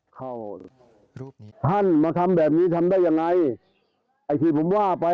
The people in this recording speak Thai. เข้ารูปนี้ท่านมาทำแบบนี้ทำได้ยังไงไอ้ที่ผมว่าไป